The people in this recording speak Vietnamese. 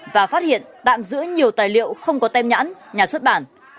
và phát hiện tạm giữ nhiều tài liệu không có tem nhãn nhà xuất bản